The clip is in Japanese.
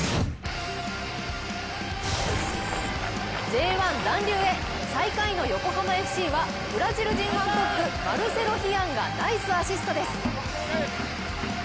Ｊ１残留へ、最下位の横浜ＦＣはブラジル人１トップ、マルセロ・ヒアンがナイスアシストです。